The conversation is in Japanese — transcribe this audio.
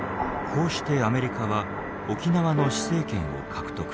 こうしてアメリカは沖縄の施政権を獲得。